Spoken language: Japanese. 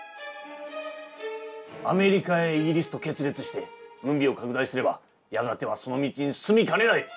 アメリカイギリスと決裂して軍備を拡大すればやがてはその道に進みかねない！